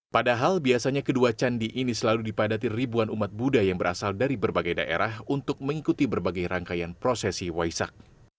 padahal biasanya kedua candi ini selalu dipadati ribuan umat buddha yang berasal dari berbagai daerah untuk mengikuti berbagai rangkaian prosesi waisak